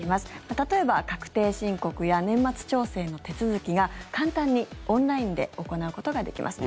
例えば確定申告や年末調整の手続きが簡単にオンラインで行うことができます。